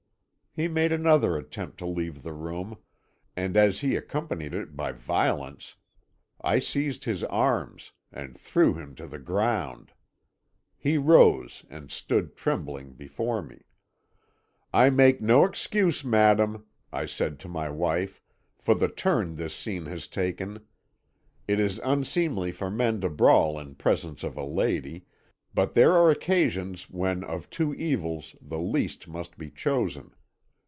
"He made another attempt to leave the room, and as he accompanied it by violence, I seized his arms, and threw him to the ground. He rose, and stood trembling before me. "'I make no excuse, madam,' I said to my wife, 'for the turn this scene has taken. It is unseemly for men to brawl in presence of a lady, but there are occasions when of two evils the least must be chosen.